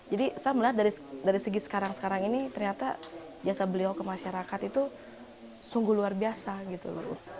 saya melihat dari segi sekarang sekarang ini ternyata jasa beliau ke masyarakat itu sungguh luar biasa gitu loh